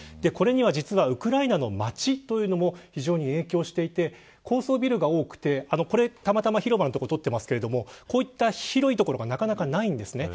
これにはウクライナの街というのも非常に影響していて高層ビルが多くてたまたま、広場の所を撮っていますがこういった広い所がなかなかないんです。